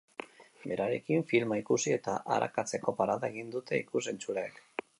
Berarekin, filma ikusi eta arakatzeko parada egingo dute ikus-entzuleek.